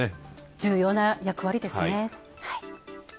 重要な役割ですね。